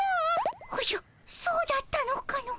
おじゃそうだったのかの。